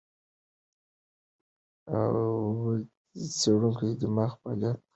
څېړونکي د دماغ فعالیت د مایکروب ډول پورې پرتله کوي.